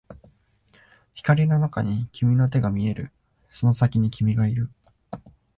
光の中に君の手が見える、その先に君がいる